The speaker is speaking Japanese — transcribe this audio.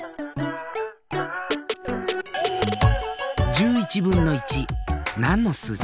１１分の１。何の数字？